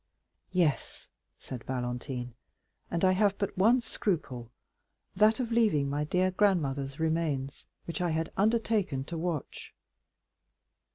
"Yes," said Valentine; "and I have but one scruple,—that of leaving my dear grandmother's remains, which I had undertaken to watch."